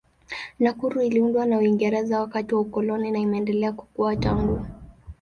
Nakuru iliundwa na Uingereza wakati wa ukoloni na imeendelea kukua tangu.